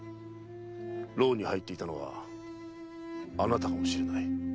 牢に入っていたのはあなたかもしれない。